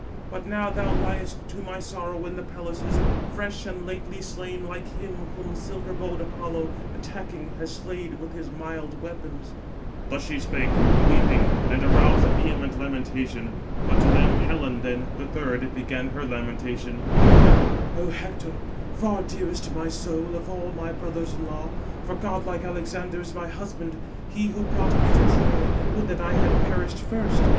But now thou liest, to my sorrow, in the palaces, fresh 800 and lately slain like him whom silver bowed Apollo, attacking, has slain with his mild weapons." Footnote 799: (return) See Grote, vol. i. p. 399. Footnote 800: (return) See on ver. 419. Thus she spoke, weeping; and aroused a vehement lamentation. But to them Helen then, the third, began her lamentation: "O Hector, far dearest to my soul of all my brothers in law, for godlike Alexander is my husband, he who brought me to Troy:—would that I had perished first.